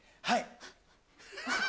はい。